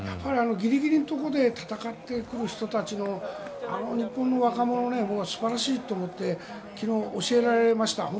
ギリギリのところで戦ってくる人たちのあの日本の若者は僕は素晴らしいと思って昨日教えられました。